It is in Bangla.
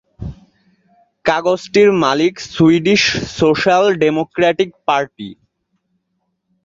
কাগজটির মালিক সুইডিশ সোশ্যাল ডেমোক্র্যাটিক পার্টি।